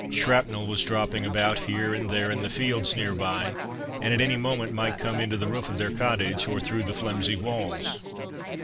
Shrapnel was dropping about here and there in the fields near by, and at any moment might come into the roof of their cottage, or through the flimsy walls.